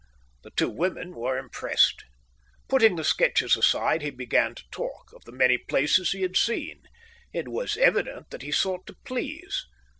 The two women were impressed. Putting the sketches aside, he began to talk, of the many places he had seen. It was evident that he sought to please.